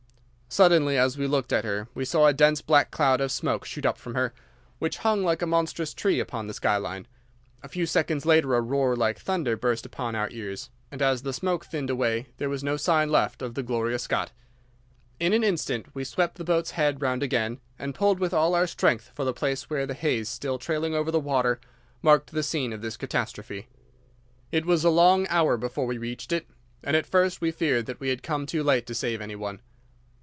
Suddenly as we looked at her we saw a dense black cloud of smoke shoot up from her, which hung like a monstrous tree upon the sky line. A few seconds later a roar like thunder burst upon our ears, and as the smoke thinned away there was no sign left of the Gloria Scott. In an instant we swept the boat's head round again and pulled with all our strength for the place where the haze still trailing over the water marked the scene of this catastrophe. "'It was a long hour before we reached it, and at first we feared that we had come too late to save any one.